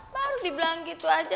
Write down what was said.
baru dibilang gitu aja